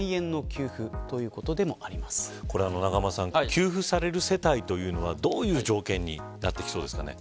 給付される世帯というのはどういう条件になっていきそうですか。